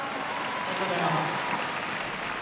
ありがとうございます。